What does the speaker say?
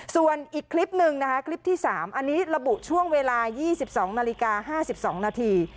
ส่วนอีกคลิปหนึ่งนะคะคลิปที่๓อันนี้ระบุช่วงเวลา๒๒นาฬิกา๕๒นาที